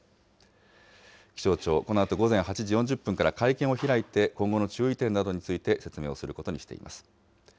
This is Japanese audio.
気象庁、このあと午前８時４０分から、会見を開いて、今後の注意点などについて、説明をすることにしています。